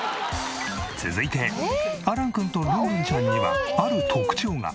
続いてアランくんとルンルンちゃんにはある特徴が。